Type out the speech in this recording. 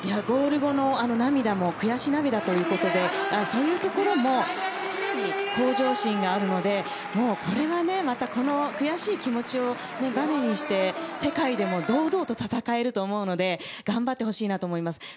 ゴール後のあの涙も悔し涙ということでそういうところも常に向上心があるのでもうこれはまたこの悔しい気持ちをばねにして世界でも堂々と戦えると思うので頑張ってほしいなと思います。